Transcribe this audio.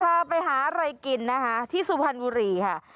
พาไปหาอะไรกินนะคะที่สุพรรณบุรีค่ะ